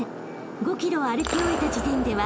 ［５ｋｍを歩き終えた時点では］